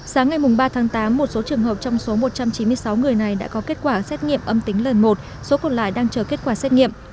sáng ngày ba tháng tám một số trường hợp trong số một trăm chín mươi sáu người này đã có kết quả xét nghiệm âm tính lần một số còn lại đang chờ kết quả xét nghiệm